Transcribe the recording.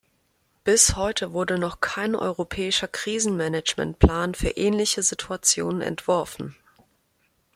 Bis heute wurde noch kein europäischer Krisenmanagementplan für ähnliche Situationen entworfen.